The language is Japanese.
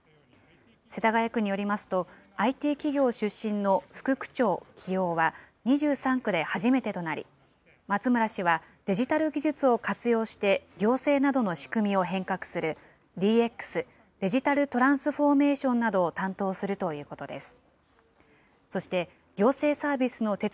世田谷区によりますと、ＩＴ企業出身の副区長起用は、２３区で初めてとなり、松村氏は、デジタル技術を活用して、行政などの仕組みを変革する、ＤＸ・デジタル・トランスフォーメーションなどを担当するということです。